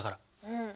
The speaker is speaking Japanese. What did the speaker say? うん。